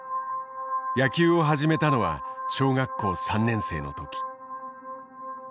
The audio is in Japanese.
野球を始めたのは小学校３年生の時。